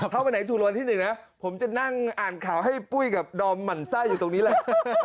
ถ้าวันไหนถูกรางวัลที่หนึ่งนะผมจะนั่งอ่านข่าวให้ปุ้ยกับดอมหมั่นไส้อยู่ตรงนี้แหละ